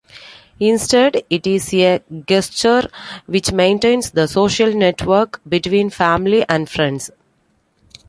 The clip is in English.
Instead, it is a gesture which maintains the social network between family and friends.